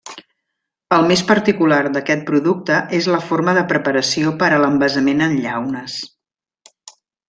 El més particular d'aquest producte és la forma de preparació per a l'envasament en llaunes.